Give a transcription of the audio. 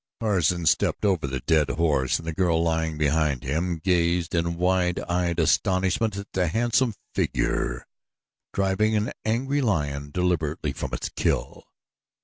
Tarzan stepped over the dead horse and the girl lying behind him gazed in wide eyed astonishment at the handsome figure driving an angry lion deliberately from its kill.